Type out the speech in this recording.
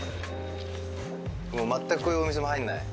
まったくこういうお店も入んない？